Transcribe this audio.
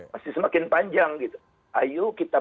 masih semakin panjang gitu ayo kita